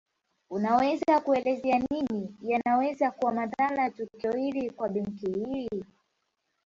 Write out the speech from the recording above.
Unaweza kuelezea nini yanaweza kuwa madhara ya tukio hili kwa benki hii